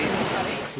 sudah kita evakuasi